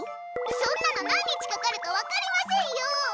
そんなの何日かかるか分かりませんよ！